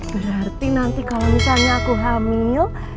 berarti nanti kalau misalnya aku hamil